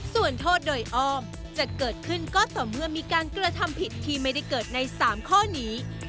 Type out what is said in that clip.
ส่วนโทษโดยอ้อมจะเกิดขึ้นก็ต่อเมื่อมีการกระทำผิดที่ไม่ได้เกิดใน๓ข้อนี้